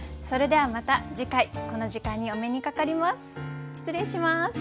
それではまた次回この時間にお目にかかります。